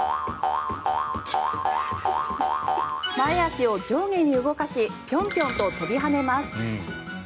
前足を上下に動かしピョンピョンと跳びはねます。